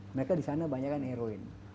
mereka di sana banyak yang heroin